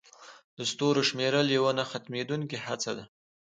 د ستورو شمیرل یوه نه ختمېدونکې هڅه ده.